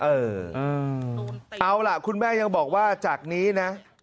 เออเอาล่ะคุณแม่ยังบอกว่าจากนี้นะ